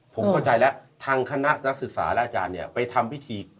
ผมเข้าใจแล้วทางคณะนักศึกษาและอาจารย์เนี่ยไปทำพิธี